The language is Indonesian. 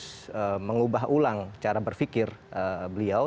tidak hanya untuk menjelaskan bahwa kita harus mengubah ulang cara berpikir beliau